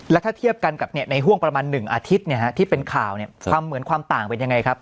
แล้วถ้าเทียบกันกับในห่วงประมาณ๑อาทิตย์ที่เป็นข่าวความเหมือนความต่างเป็นยังไงครับ